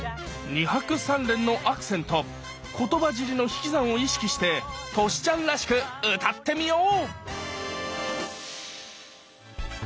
２拍３連のアクセント言葉尻の引き算を意識してトシちゃんらしく歌ってみよう！